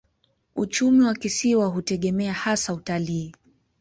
Uchumi wa kisiwa hutegemea hasa utalii.